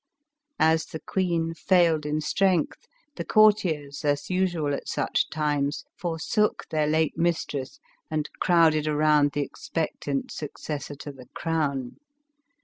As the queen failed in strength, the courtiers, as usual at such times, forsook their late mistress and crowded around the expectant successor to the crown.